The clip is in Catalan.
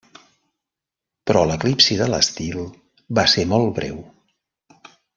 Però l'eclipsi de l'estil va ser molt breu.